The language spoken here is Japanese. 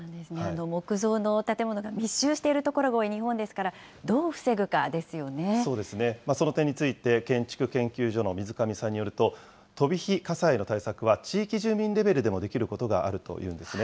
木造の建物が密集している所が多い日本ですから、どう防ぐかそうですね、その点について建築研究所の水上さんによると、飛び火火災の対策は、地域住民レベルでもできることがあるというんですね。